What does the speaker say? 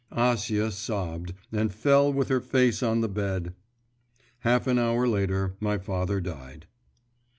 'Acia sobbed, and fell with her face on the bed.… Half an hour later my father died.